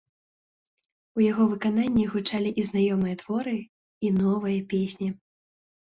У яго выканні гучалі і знаёмыя творы, і новыя песні.